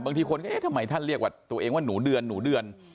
บางทีคนก็เอ๊ะทำไมท่านเรียกว่าตัวเองว่าหนูเดือนหนูเดือน